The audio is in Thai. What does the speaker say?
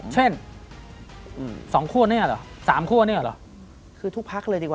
เจอผู้ดีหรอ